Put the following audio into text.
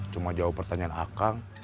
cuma jawab pertanyaan a kang